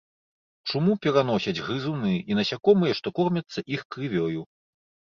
Чуму пераносяць грызуны і насякомыя, што кормяцца іх крывёю.